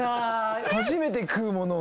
初めて食う物を。